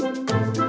ini kita lihat